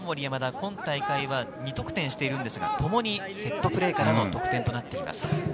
今大会は２得点していますが、ともにセットプレーからの得点となっています。